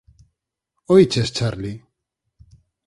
_¿Oíches, Charlie?